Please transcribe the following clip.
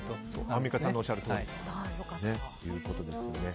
アンミカさんのおっしゃるとおりということです。